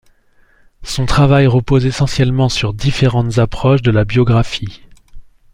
Son travail repose essentiellement sur différentes approches de la biographie.